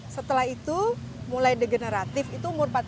setelah itu mulai degeneratif itu umur empat puluh